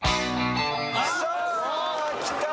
さあきたぞ。